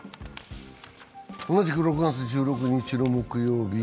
同じく６月１６日の木曜日。